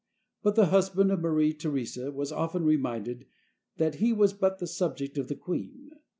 But the husband of Maria Theresa was often reminded that he was but the subject of the queen.